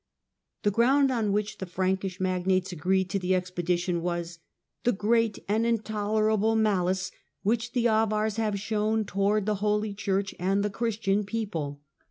The ground on which the Frankish magnates agreed to the expedition was " the great and intolerable malice which the Avars had shown towards the Holy Church and the 791 Christian people".